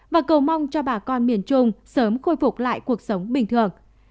và cầu mong cho bà con miền trung sớm khôi phục lại cuộc sống bình thường